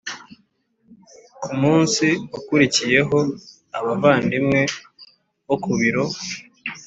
Ku munsi wakurikiyeho abavandimwe bo ku biro